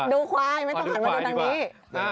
ดูควายไม่ต้องหันมาดูทางนี้